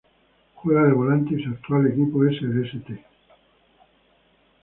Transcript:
Juega de volante y su actual equipo es el St.